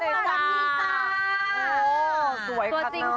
โอ้สวยครับน้อง